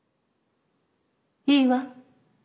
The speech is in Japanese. いいわ。